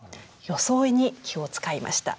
装いに気を遣いました。